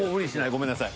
ごめんなさい。